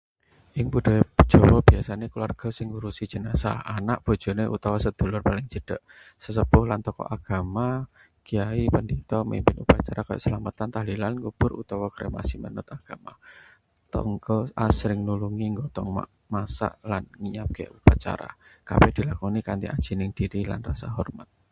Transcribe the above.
Ing budaya Jawa biasane kulawarga sing ngurusi jenazah: anak, bojone, utawa sedulur paling cedhak. Sesepuh lan tokoh agama kyai, pandita mimpin upacara kaya slametan, tahlilan, ngubur utawa kremasi manut agama. Tetangga asring nulungi nggotong, masak, lan nyiapake upacara. Kabeh dilakoni kanthi ajining diri lan rasa hormat.